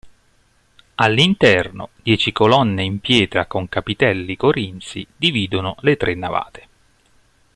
All'interno, dieci colonne in pietra con capitelli corinzi dividono le tre navate.